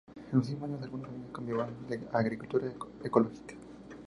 En los últimos años algunas familias cambiaban a agricultura ecológica.